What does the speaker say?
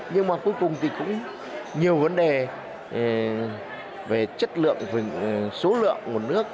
nhưng mà cuối cùng thì cũng nhiều vấn đề về chất lượng số lượng nguồn nước